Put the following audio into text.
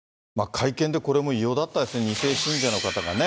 会見でこれも異様だったですね、２世信者の方がね。